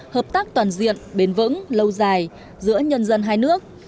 hợp tác toàn diện bền vững lâu dài giữa nhân dân hai nước